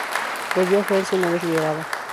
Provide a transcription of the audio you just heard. Volvió a Francia una vez liberada.